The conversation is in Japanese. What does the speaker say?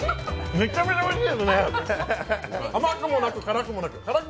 めちゃめちゃおいしい！